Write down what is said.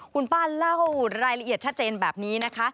คุณป้าเล่ารายละเอียดชัดเจนแบบนี้นะคะ